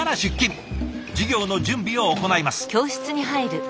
授業の準備を行います。